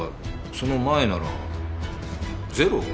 その前ならゼロ？